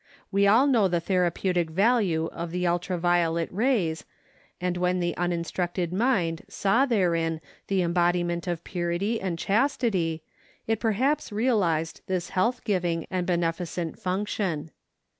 We all know the therapeutic value of the ultra violet rays, and when the uninstructed mind saw therein the embodiment of purity and chastity, it perhaps realized this health giving and beneficent function.